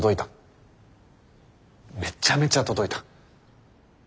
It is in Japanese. めちゃめちゃ届いた。